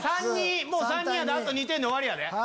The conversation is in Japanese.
もうサンニイやであと２点で終わりやで。